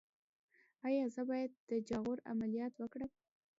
ایا زه باید د جاغور عملیات وکړم؟